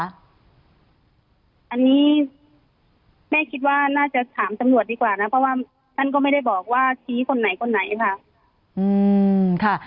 อันนี้แม่คิดว่าน่าจะถามตำรวจดีกว่านะเพราะว่าท่านก็ไม่ได้บอกว่าชี้คนไหนคนไหนค่ะ